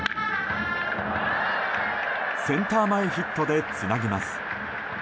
センター前ヒットでつなげます。